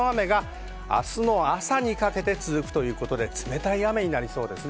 明日の朝にかけて雨が続くということで、冷たい雨になりそうです。